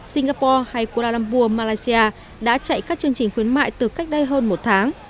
singapore hay kuala lumpur malaysia đã chạy các chương trình khuyến mại từ cách đây hơn một tháng